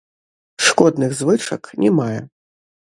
Шкодных звычак не мае.